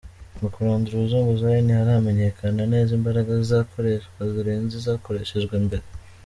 Mu kurandura ubuzunguzajyi, ntirahamenyekana neza imbaraga zizakoreshwa zirenze izakoreshejwe mbere.